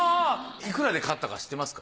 いくらで買ったか知ってますか？